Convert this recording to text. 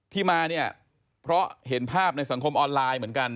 ที่มาเนี่ยเพราะเห็นภาพในสังคมออนไลน์เหมือนกัน